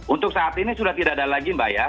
untuk saat ini sudah tidak ada lagi mbak ya